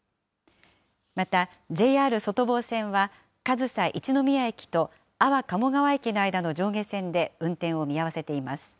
また、ＪＲ外房線は、上総一ノ宮駅と安房鴨川駅の間の上下線で運転を見合わせています。